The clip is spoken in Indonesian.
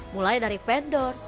mulai dari vendor